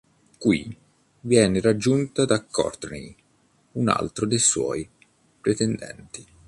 Qui, viene raggiunta da Courtney, un altro dei suoi pretendenti.